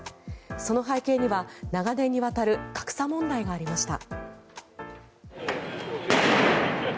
その背景には長年にわたる格差問題がありました。